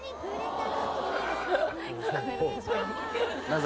なぜ？